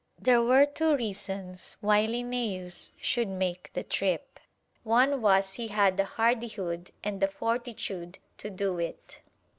There were two reasons why Linnæus should make the trip: One was he had the hardihood and the fortitude to do it.